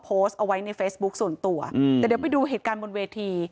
โพสต์เอาไว้ในเฟซบุ๊คส่วนตัวแต่เดี๋ยวไปดูเหตุการณ์บนเวที